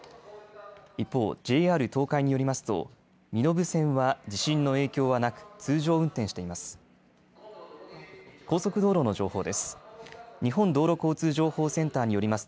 一方、ＪＲ東海によりますと、身延線は地震の影響はなく、通常運転しています。